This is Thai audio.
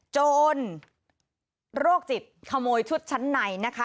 โจรโรคจิตขโมยชุดชั้นในนะคะ